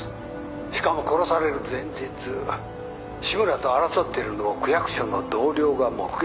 しかも殺される前日志村と争ってるのを区役所の同僚が目撃しています。